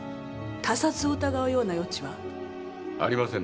他殺を疑うような余地は？ありませんね。